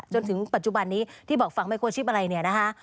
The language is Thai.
จนถึงปัจจุบันนี้ที่บอกฟังไมโครชิปอะไรเนี่ยนะคะ